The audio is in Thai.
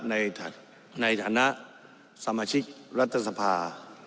ในฐานะสมาชิกรัฐสภา